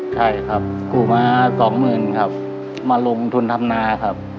ใช่ครับกู้มาสองหมื่นครับมาลงทุนทำนาครับ